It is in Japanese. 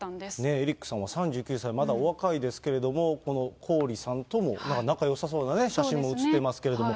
エリックさんは３９歳、まだお若いですけれども、このコーリさんとも、仲よさそうな写真も写っていますけれども、